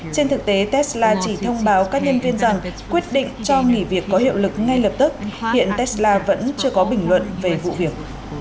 trên thực tế tesla chỉ thông báo các nhân viên rằng quyết định cho nghỉ việc có hiệu lực ngay lập tức hiện tesla vẫn chưa có bình luận về vụ việc